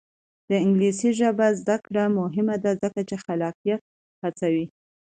د انګلیسي ژبې زده کړه مهمه ده ځکه چې خلاقیت هڅوي.